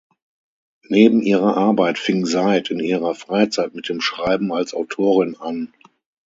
Neben ihrer Arbeit fing Seid in ihrer Freizeit mit dem Schreiben als Autorin an.